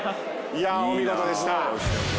いやお見事でした。